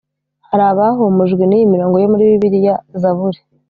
Hari abahumurijwe n iyi mirongo yo muri bibiliya zaburi